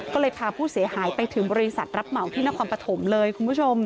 ก็เลยพาผู้เสียหายไปถึงบริษัทรับเหมาที่นครปฐมเลยคุณผู้ชม